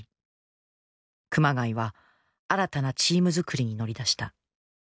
熊谷は新たなチーム作りに乗り出した。